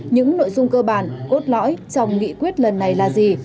những nội dung cơ bản cốt lõi trong nghị quyết lần này là gì